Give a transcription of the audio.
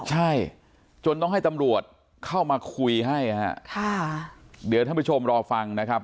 ใช่จนต้องให้ตำรวจเข้ามาคุยให้ฮะค่ะเดี๋ยวท่านผู้ชมรอฟังนะครับ